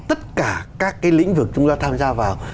tất cả các cái lĩnh vực chúng ta tham gia vào